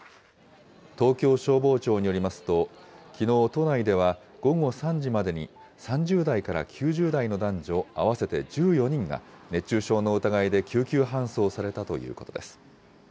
東京消防庁によりますと、きのう、都内では午後３時までに３０代から９０代の男女合わせて１４人が、熱中症の疑いで救急搬送されたということです。